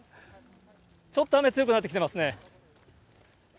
ちょっと雨強くなってきてますね。